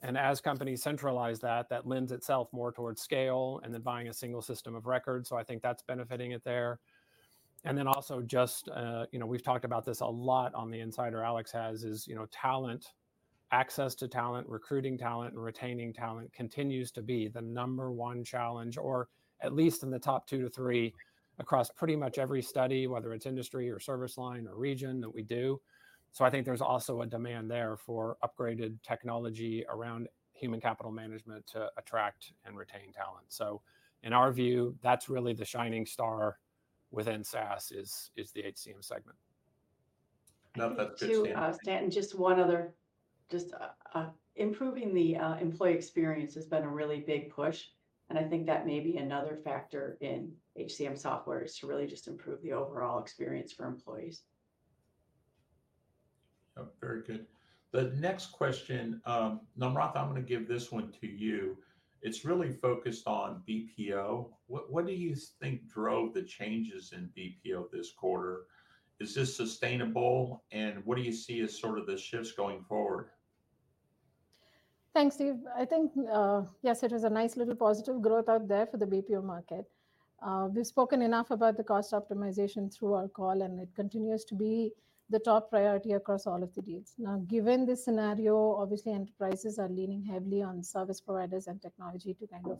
and as companies centralize that lends itself more towards scale and then buying a single system of record, so I think that's benefiting it there. And then also just, you know, we've talked about this a lot on the Insider, Alex has, is, you know, talent, access to talent, recruiting talent, and retaining talent continues to be the number one challenge, or at least in the top two to three, across pretty much every study, whether it's industry or service line or region, that we do. So I think there's also a demand there for upgraded technology around human capital management to attract and retain talent. So in our view, that's really the shining star within SaaS is the HCM segment. No, that's good- To Stanton, just improving the employee experience has been a really big push, and I think that may be another factor in HCM software is to really just improve the overall experience for employees. Oh, very good. The next question, Namratha, I'm gonna give this one to you. It's really focused on BPO. What, what do you think drove the changes in BPO this quarter? Is this sustainable, and what do you see as sort of the shifts going forward? Thanks, Steve. I think, yes, it was a nice little positive growth out there for the BPO market. We've spoken enough about the cost optimization through our call, and it continues to be the top priority across all of the deals. Now, given this scenario, obviously, enterprises are leaning heavily on service providers and technology to kind of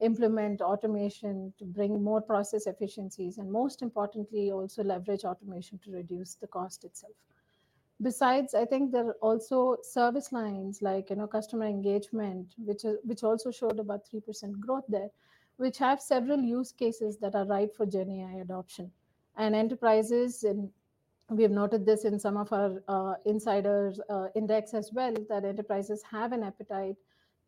implement automation, to bring more process efficiencies, and most importantly, also leverage automation to reduce the cost itself. Besides, I think there are also service lines like, you know, customer engagement, which also showed about 3% growth there, which have several use cases that are ripe for GenAI adoption. And enterprises, and we have noted this in some of our ISG Index Insider as well, that enterprises have an appetite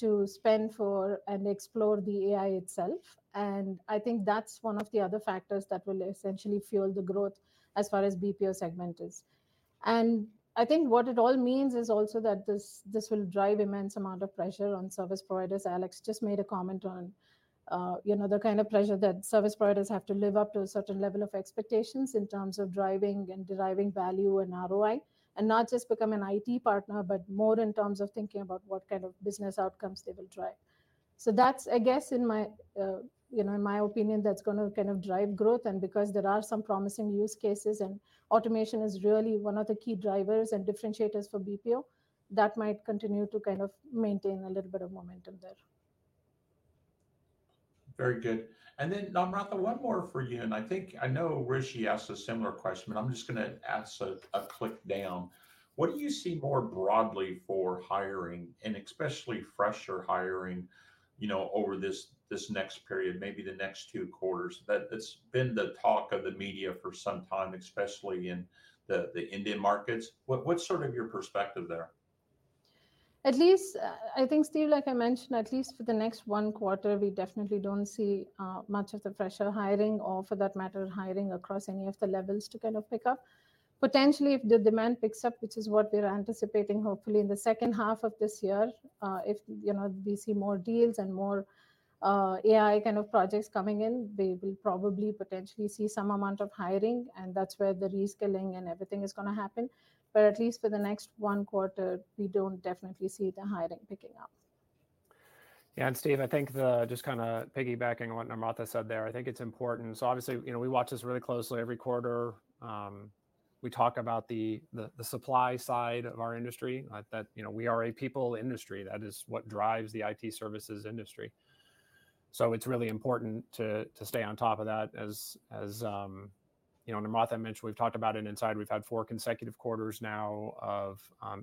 to spend for and explore the AI itself, and I think that's one of the other factors that will essentially fuel the growth as far as BPO segment is. And I think what it all means is also that this will drive immense amount of pressure on service providers. Alex just made a comment on, the kind of pressure that service providers have to live up to a certain level of expectations in terms of driving and deriving value and ROI, and not just become an IT partner, but more in terms of thinking about what kind of business outcomes they will drive. So that's, I guess, in my, you know, in my opinion, that's gonna kind of drive growth, and because there are some promising use cases, and automation is really one of the key drivers and differentiators for BPO, that might continue to kind of maintain a little bit of momentum there. Very good. And then, Namratha, one more for you, and I think I know Rishi asked a similar question, but I'm just gonna ask a click down: What do you see more broadly for hiring, and especially fresher hiring, you know, over this next period, maybe the next two quarters? That's been the talk of the media for some time, especially in the Indian markets. What's sort of your perspective there? At least, I think, Steve, like I mentioned, at least for the next one quarter, we definitely don't see much of the fresher hiring, or for that matter, hiring across any of the levels to kind of pick up. Potentially, if the demand picks up, which is what we're anticipating, hopefully in the second half of this year, if, you know, we see more deals and more, AI kind of projects coming in, we will probably potentially see some amount of hiring, and that's where the reskilling and everything is gonna happen. But at least for the next one quarter, we don't definitely see the hiring picking up. Yeah, and Steve, I think. Just kinda piggybacking on what Namratha said there, I think it's important. So obviously, you know, we watch this really closely every quarter. We talk about the supply side of our industry, that, you know, we are a people industry. That is what drives the IT services industry. So it's really important to stay on top of that. As Namratha mentioned, we've talked about it in Insider. We've had four consecutive quarters now of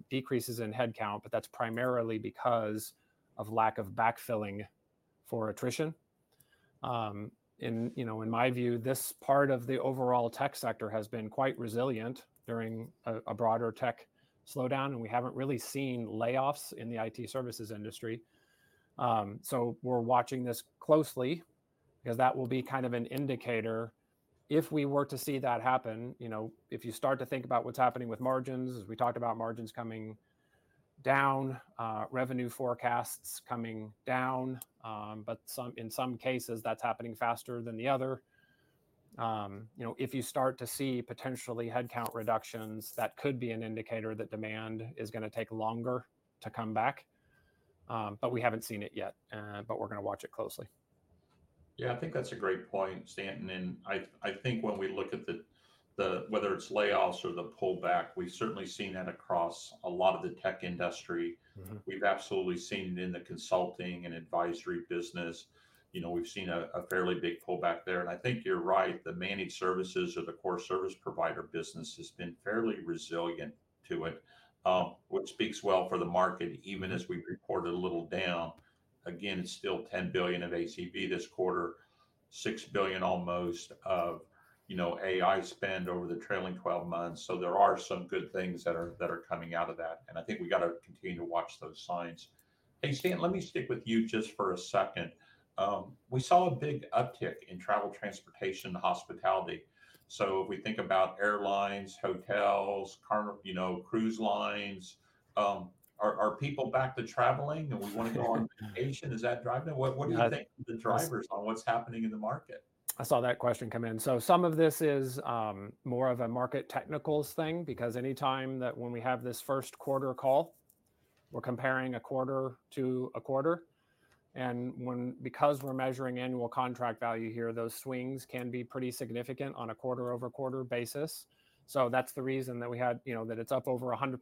decreases in headcount, but that's primarily because of lack of backfilling for attrition. In my view, this part of the overall tech sector has been quite resilient during a broader tech slowdown, and we haven't really seen layoffs in the IT services industry. So we're watching this closely, because that will be kind of an indicator if we were to see that happen. You know, if you start to think about what's happening with margins, as we talked about margins coming down, revenue forecasts coming down, but in some cases, that's happening faster than the other. You know, if you start to see potentially headcount reductions, that could be an indicator that demand is gonna take longer to come back, but we haven't seen it yet, but we're gonna watch it closely. Yeah, I think that's a great point, Stanton. I, I think when we look at whether it's layoffs or the pullback, we've certainly seen that across a lot of the tech industry. We've absolutely seen it in the consulting and advisory business. You know, we've seen a fairly big pullback there, and I think you're right, the managed services or the core service provider business has been fairly resilient to it, which speaks well for the market, even as we've reported a little down. Again, it's still $10 billion of ACV this quarter, almost $6 billion of, you know, AI spend over the trailing twelve months. So there are some good things that are coming out of that, and I think we gotta continue to watch those signs. Hey, Stanton, let me stick with you just for a second. We saw a big uptick in travel, transportation, hospitality. So if we think about airlines, hotels, car, you know, cruise lines, are people back to traveling and we wanna go on vacation? Is that driving it? What do you think--the drivers on what's happening in the market? I saw that question come in. So some of this is more of a market technicals thing, because anytime that when we have this first quarter call, we're comparing a quarter-to-a-quarter, and when... Because we're measuring annual contract value here, those swings can be pretty significant on a quarter-over-quarter basis. So that's the reason that we had, you know, that it's up over 100%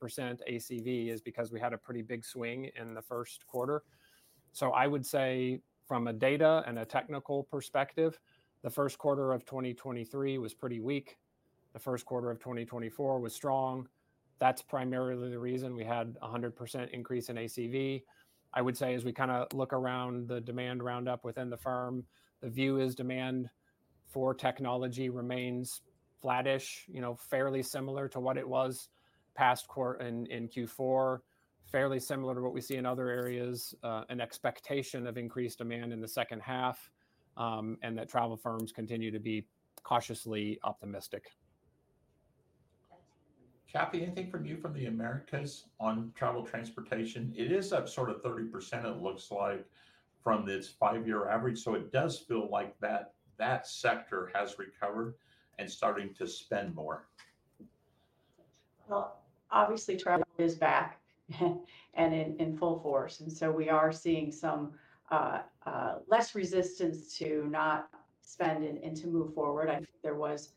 ACV is because we had a pretty big swing in the first quarter. So I would say from a data and a technical perspective, the first quarter of 2023 was pretty weak. The first quarter of 2024 was strong. That's primarily the reason we had a 100% increase in ACV. I would say, as we kinda look around the demand roundup within the firm, the view is demand for technology remains flattish, you know, fairly similar to what it was past quarter in Q4, fairly similar to what we see in other areas, an expectation of increased demand in the second half, and that travel firms continue to be cautiously optimistic. Kathy, anything from you from the Americas on travel transportation? It is up sort of 30%, it looks like, from its five-year average, so it does feel like that that sector has recovered and starting to spend more. Well, obviously, travel is back, and in full force, and so we are seeing some less resistance to not spend and to move forward. I think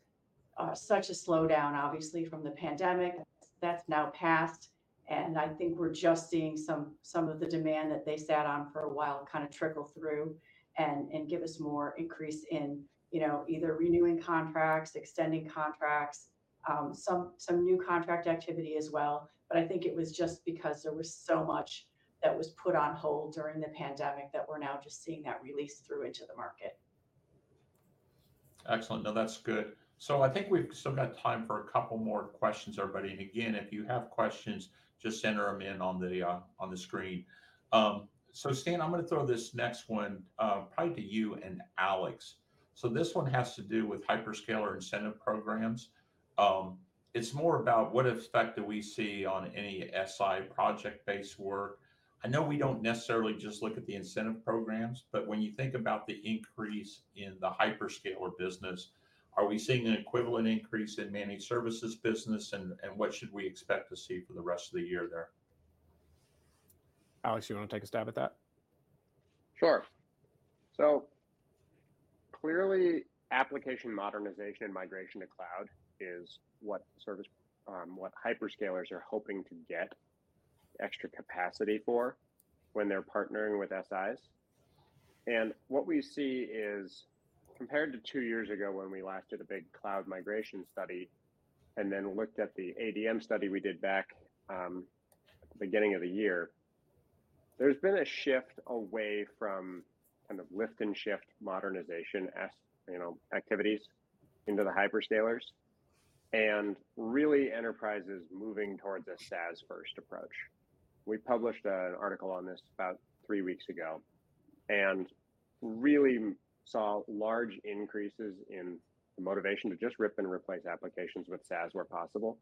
there was such a slowdown, obviously, from the pandemic. That's now passed, and I think we're just seeing some of the demand that they sat on for a while kind of trickle through and give us more increase in, you know, either renewing contracts, extending contracts, some new contract activity as well. But I think it was just because there was so much that was put on hold during the pandemic that we're now just seeing that release through into the market. Excellent. That's good. So, I think we've still got time for a couple more questions, everybody. And again, if you have questions, just enter them in on the, on the screen. So Stan, I'm gonna throw this next one, probably to you and Alex. So this one has to do with hyperscaler incentive programs. It's more about what effect do we see on any SI project-based work. I know we don't necessarily just look at the incentive programs, but when you think about the increase in the hyperscaler business, are we seeing an equivalent increase in managed services business, and what should we expect to see for the rest of the year there? Alex, you wanna take a stab at that? Sure. So clearly, application modernization and migration to cloud is what service, what hyperscalers are hoping to get extra capacity for when they're partnering with SIs. And what we see is, compared to 2 years ago when we last did a big cloud migration study, and then looked at the ADM study we did back, at the beginning of the year, there's been a shift away from kind of lift and shift modernization as, you know, activities into the hyperscalers, and really enterprises moving towards a SaaS-first approach. We published an article on this about 3 weeks ago, and really saw large increases in the motivation to just rip and replace applications with SaaS where possible,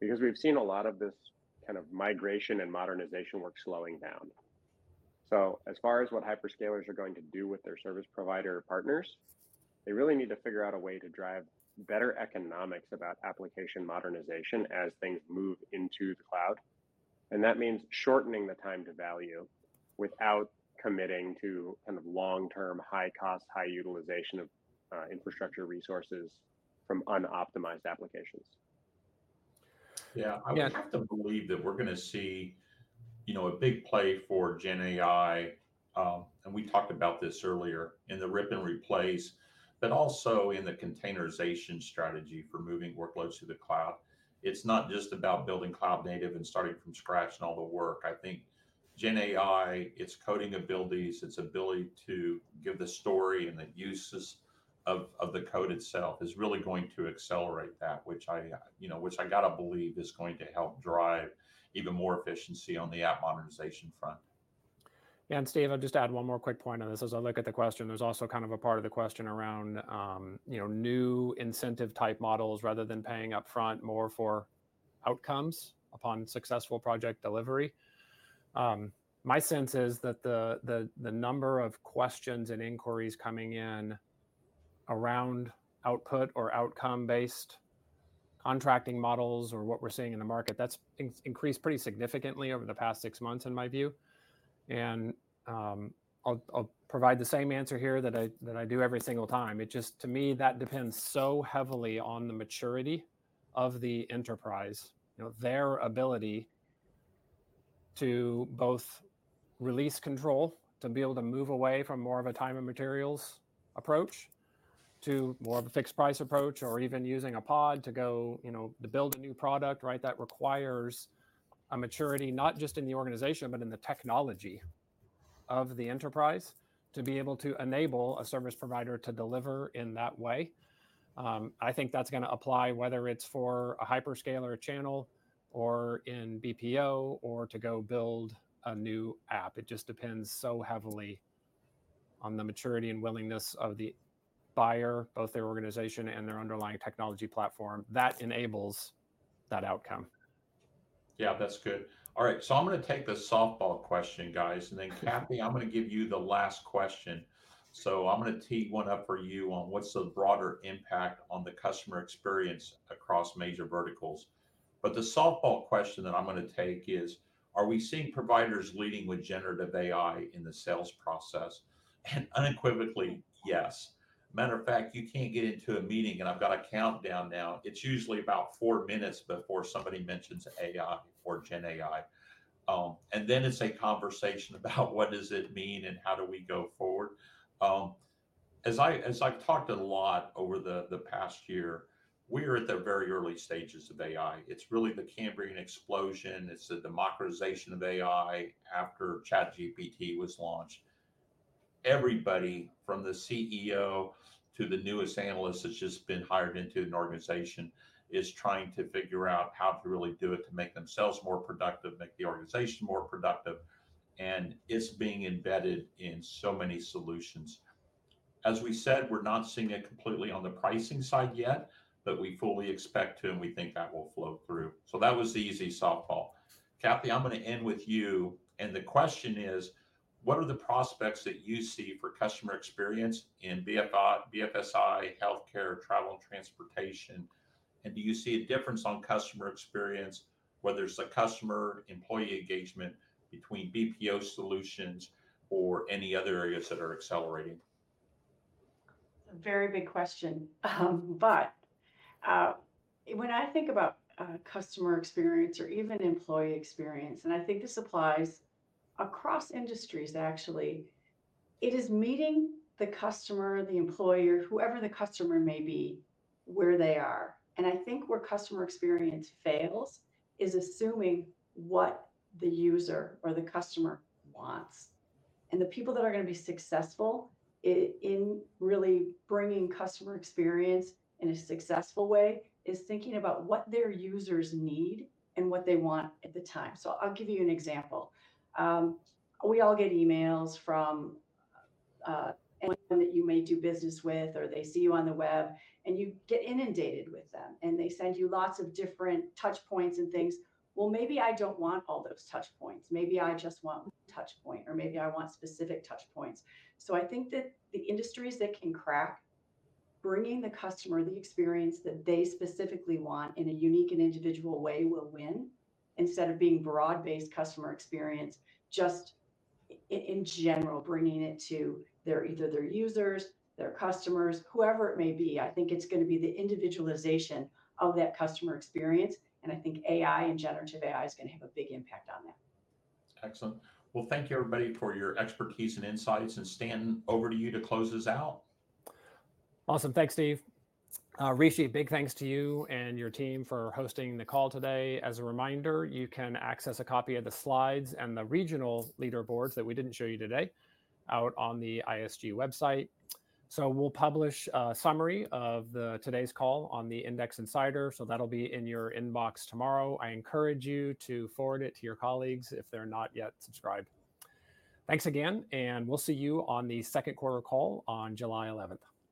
because we've seen a lot of this kind of migration and modernization work slowing down. As far as what hyperscalers are going to do with their service provider partners, they really need to figure out a way to drive better economics about application modernization as things move into the cloud. That means shortening the time to value without committing to kind of long-term, high-cost, high-utilization of infrastructure resources from unoptimized applications. Yeah. Yeah. I would have to believe that we're gonna see, you know, a big play for GenAI, and we talked about this earlier, in the rip and replace, but also in the containerization strategy for moving workloads to the cloud. It's not just about building cloud native and starting from scratch and all the work. I think GenAI, its coding abilities, its ability to give the story and the uses of the code itself, is really going to accelerate that, which I, you know, which I gotta believe is going to help drive even more efficiency on the app modernization front. Yeah, and Steve, I'll just add one more quick point on this. As I look at the question, there's also kind of a part of the question around, you know, new incentive-type models, rather than paying upfront more for outcomes upon successful project delivery. My sense is that the number of questions and inquiries coming in around output or outcome-based contracting models or what we're seeing in the market, that's increased pretty significantly over the past six months, in my view. I'll provide the same answer here that I do every single time. It just, to me, that depends so heavily on the maturity of the enterprise. You know, their ability to both release control, to be able to move away from more of a time and materials approach to more of a fixed price approach, or even using a pod to go, you know, to build a new product, right? That requires a maturity, not just in the organization, but in the technology of the enterprise, to be able to enable a service provider to deliver in that way. I think that's gonna apply whether it's for a hyperscaler channel or in BPO, or to go build a new app. It just depends so heavily on the maturity and willingness of the buyer, both their organization and their underlying technology platform, that enables that outcome. Yeah, that's good. All right, so I'm gonna take the softball question, guys, and then, Kathy, I'm gonna give you the last question. So I'm gonna tee one up for you on: what's the broader impact on the customer experience across major verticals? But the softball question that I'm gonna take is: Are we seeing providers leading with generative AI in the sales process? And unequivocally, yes. Matter of fact, you can't get into a meeting, and I've got a countdown now, it's usually about four minutes before somebody mentions AI or GenAI. And then it's a conversation about what does it mean and how do we go forward? As I've talked a lot over the past year, we are at the very early stages of AI. It's really the Cambrian explosion. It's the democratization of AI after ChatGPT was launched. Everybody, from the CEO to the newest analyst that's just been hired into an organization, is trying to figure out how to really do it, to make themselves more productive, make the organization more productive, and it's being embedded in so many solutions. As we said, we're not seeing it completely on the pricing side yet, but we fully expect to, and we think that will flow through. So that was the easy softball. Kathy, I'm gonna end with you, and the question is: What are the prospects that you see for customer experience in BFSI, healthcare, travel and transportation? And do you see a difference on customer experience, whether it's a customer, employee engagement between BPO solutions or any other areas that are accelerating? A very big question. But when I think about customer experience or even employee experience, and I think this applies across industries, actually, it is meeting the customer, the employer, whoever the customer may be, where they are. I think where customer experience fails is assuming what the user or the customer wants. The people that are gonna be successful in really bringing customer experience in a successful way is thinking about what their users need and what they want at the time. So I'll give you an example. We all get emails from anyone that you may do business with, or they see you on the web, and you get inundated with them, and they send you lots of different touch points and things. Well, maybe I don't want all those touch points. Maybe I just want one touch point, or maybe I want specific touch points. So I think that the industries that can crack bringing the customer the experience that they specifically want in a unique and individual way will win, instead of being broad-based customer experience, just in general, bringing it to their either their users, their customers, whoever it may be. I think it's gonna be the individualization of that customer experience, and I think AI and generative AI is gonna have a big impact on that. Excellent. Well, thank you, everybody, for your expertise and insights. Stan, over to you to close this out. Awesome. Thanks, Steve. Rishi, big thanks to you and your team for hosting the call today. As a reminder, you can access a copy of the slides and the regional leaderboards that we didn't show you today, out on the ISG website. So we'll publish a summary of today's call on the Index Insider, so that'll be in your inbox tomorrow. I encourage you to forward it to your colleagues if they're not yet subscribed. Thanks again, and we'll see you on the second quarter call on July 11th.